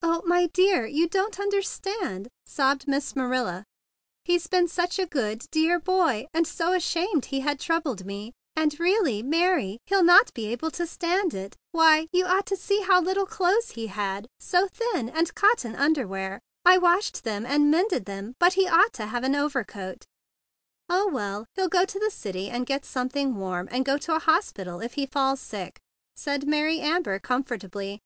"O my dear, you don't understand," sobbed Miss Marilla. "He's been such a good, dear boy, and so ashamed he had troubled me! And really, Mary, he'11 not be able to stand it. Why, you ought to see how little clothes he had! So thin, and cotton underwear! I washed them and mended them, but he ought to have had an overcoat." 116 THE BIG BLUE SOLDIER "Oh, well, he'll go to the city and get something warm, and go to a hospital if he feels sick," said Mary Amber com¬ fortably.